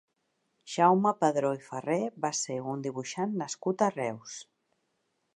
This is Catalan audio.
Jaume Padró i Ferrer va ser un dibuixant nascut a Reus.